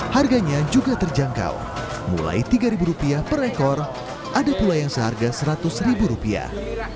harganya juga terjangkau mulai tiga ribu rupiah per ekor ada pula yang seharga seratus ribu rupiah